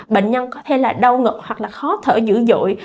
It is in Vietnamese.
bệnh nhân có thể đau ngực hoặc khó thở dữ dội